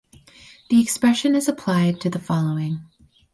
The expression is applied to the following.